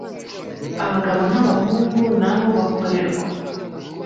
abagabo n abahungu na bo bakorerwa